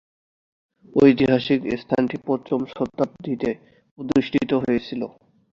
ঐতিহাসিক স্থানটি পঞ্চম শতাব্দীতে প্রতিষ্ঠিত হয়েছিল।